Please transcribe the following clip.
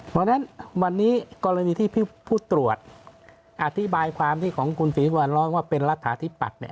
เพราะฉะนั้นวันนี้กรณีที่พี่พูดตรวจอธิบายความที่ของคุณฝีวัลร้อนว่าเป็นรัฐฐาที่ปรัด